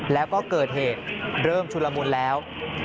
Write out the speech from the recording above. แล้วก็เกิดเหตุเริ่มชุลมุนแล้ว